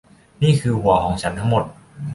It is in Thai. นี่คือหัวของฉันทั้งหมด